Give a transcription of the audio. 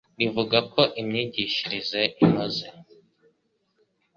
rivuga ko imyigishirize inoze